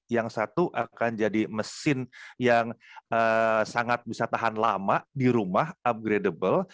yang satu akan jadi mesin yang sangat bisa tahan lama di rumah upgradable